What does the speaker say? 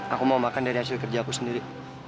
aku mau makan dari hasil kerja aku sendiri